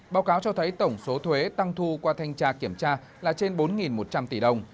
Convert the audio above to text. báo cáo cho thấy tổng số thuế tăng thu qua thanh tra kiểm tra là trên bốn một trăm linh tỷ đồng